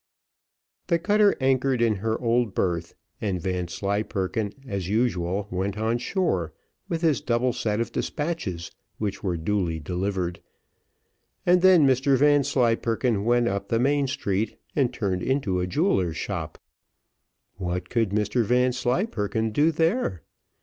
The cutter anchored in her old berth, and Vanslyperken, as usual, went on shore, with his double set of despatches, which were duly delivered; and then Mr Vanslyperken went up the main street, and turned into a jeweller's shop. What could Mr Vanslyperken do there?